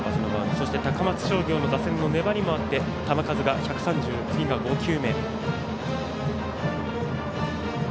そして、高松商業の打線の粘りもあって球数が次１３６球。